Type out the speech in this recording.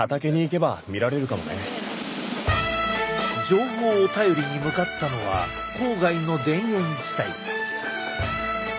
情報を頼りに向かったのは郊外の田園地帯。